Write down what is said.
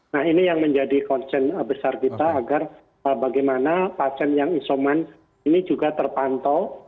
nah ini yang menjadi concern besar kita agar bagaimana pasien yang isoman ini juga terpantau